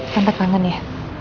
tenteng kangen ya